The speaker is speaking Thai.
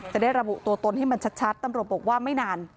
จะได้ระบุตัวตนให้มันชัดตำรวจบอกว่าไม่นาน